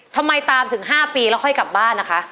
ทำไมตามถึง๕ปีแล้วค่อยกลับบ้านนะคะ